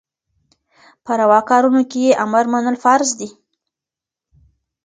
په رواکارونو کي يي امر منل فرض دي